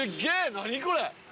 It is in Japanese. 何これ！